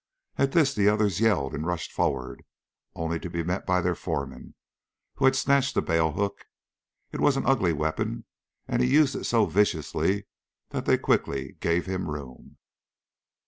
At this the others yelled and rushed forward, only to be met by their foreman, who had snatched a bale hook. It was an ugly weapon, and he used it so viciously that they quickly gave him room.